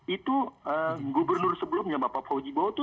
itu gubernur sebelumnya bapak faujibowo itu